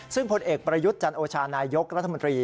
ซึ่งผลเอกประยุทธ์จันโอชานายกรัฐมนตรี